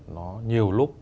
nó nhiều lúc